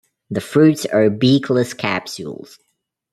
The fruits are beakless capsules.